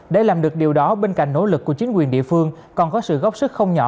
để làm được điều đó bên cạnh nỗ lực của chính quyền địa phương còn có sự góp sức không nhỏ